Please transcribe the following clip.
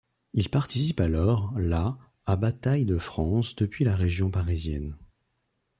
Il participe alors la à bataille de France depuis la région parisienne.